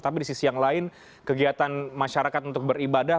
tapi di sisi yang lain kegiatan masyarakat untuk beribadah